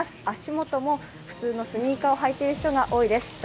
足元も普通のスニーカーを履いている人が多いです。